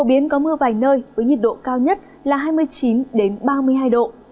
biến có mưa vài nơi với nhiệt độ cao nhất là hai mươi chín ba mươi hai độ